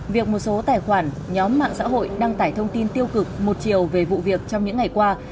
việc một số tài khoản nhóm mạng xã hội đăng tải thông tin tiêu cực một chiều về vụ việc trong những ngày qua